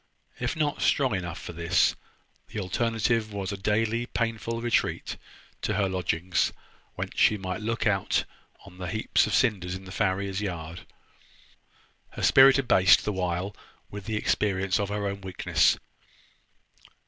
If not strong enough for this, the alternative was a daily painful retreat to her lodging, whence she might look out on the heaps of cinders in the farrier's yard, her spirit abased the while with the experience of her own weakness.